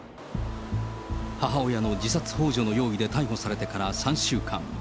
母親の自殺ほう助の容疑で逮捕されてから３週間。